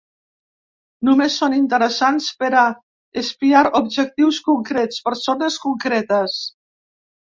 Només són interessants per a espiar objectius concrets, persones concretes.